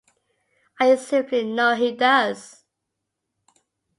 I simply know he does.